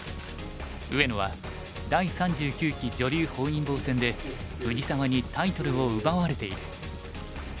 上野は第３９期女流本因坊戦で藤沢にタイトルを奪われている。